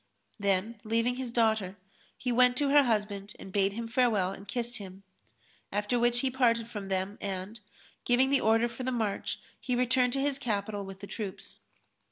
Then leaving his daughter, he went to her husband and bade him farewell and kissed him; after which he parted from them and, giving the order for the march he returned to his capital with his troops.